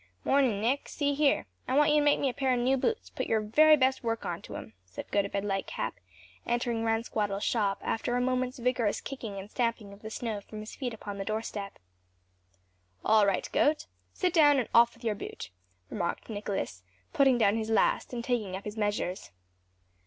"Mornin', Nick, see here, I want you to make me a pair o' new boots; put your very best work on to 'em," said Gotobed Lightcap, entering Ransquattle's shop after a moment's vigorous kicking and stamping of the snow from his feet upon the doorstep. "All right, Gote. Sit down and off with your boot," returned Nicholas, putting down his last and taking up his measures.